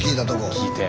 聞いて。